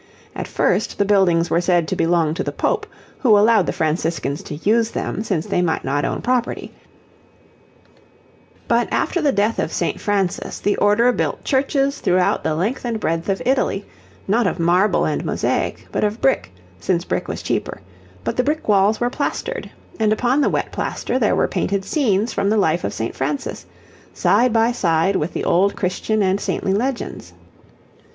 At first the buildings were said to belong to the Pope, who allowed the Franciscans to use them, since they might not own property; but after the death of St. Francis, the Order built churches throughout the length and breadth of Italy, not of marble and mosaic but of brick, since brick was cheaper; but the brick walls were plastered, and upon the wet plaster there were painted scenes from the life of St. Francis, side by side with the old Christian and saintly legends.